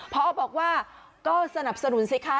พอบอกว่าก็สนับสนุนสิคะ